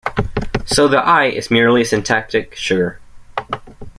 So the "I" is merely syntactic sugar.